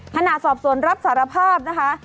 ขณะสอบสวนรับสารภาพนะคะ